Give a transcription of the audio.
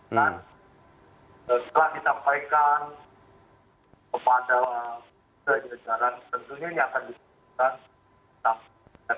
dan setelah ditampaikan kepada kejelajaran tentunya ini akan ditentukan